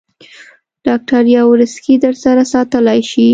ډاکټر یاورسکي در سره ساتلای شې.